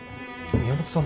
宮本さん